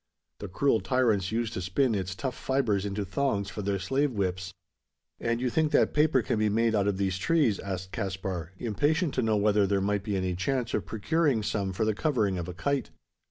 The cruel tyrants used to spin its tough fibres into thongs for their slave whips." "And you think that paper can be made out of these trees?" asked Caspar, impatient to know whether there might be any chance of procuring some for the covering of a kite.